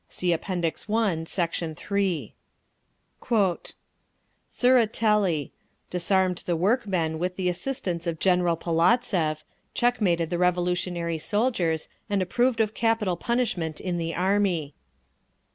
(See App. I, Sect. 3) Tseretelli: disarmed the workmen with the assistance of General Polovtsev, checkmated the revolutionary soldiers, and approved of capital punishment in the army.